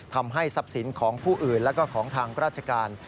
ทำให้ทรัพย์สินของผู้อื่นแล้วก็ของทางราชการ